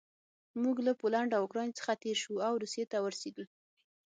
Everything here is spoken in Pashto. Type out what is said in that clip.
موږ له پولنډ او اوکراین څخه تېر شوو او روسیې ته ورسېدو